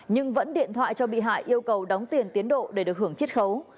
nhưng vẫn điện thoại cho bị hại yêu cầu đóng tiền tiến độ để được hưởng triết khấu